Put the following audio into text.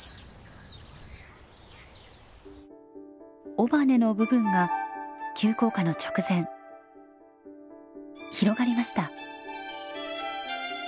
尾羽の部分が急降下の直前広がりました！